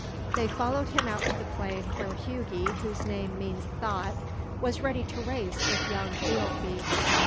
They followed him out to the plain where Hugi, whose name means "thought," was ready to race with young Thialfi.